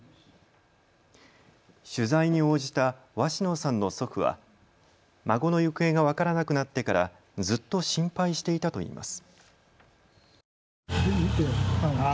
取材に応じた鷲野さんの祖父は孫の行方が分からなくなってからずっと心配していたといいます。